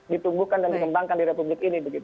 ditumbuhkan dan dikembangkan di republik ini